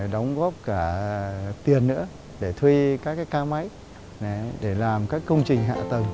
đóng góp cả tiền nữa để thuê các ca máy để làm các công trình hạ tầng